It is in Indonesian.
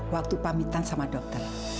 waktu pamitan sama dokter